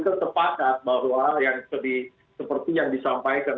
kita tepatkan bahwa yang seperti yang disampaikan